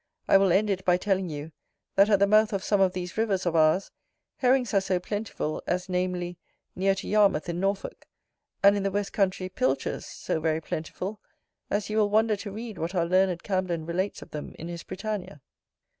I will end it by telling you, that at the mouth of some of these rivers of ours, Herrings are so plentiful, as namely, near to Yarmouth in Norfolk, and in the west country Pilchers so very plentiful, as you will wonder to read what our learned Camden relates of them in his Britannia.